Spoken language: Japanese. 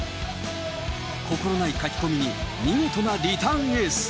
心ない書き込みに見事なリターンエース。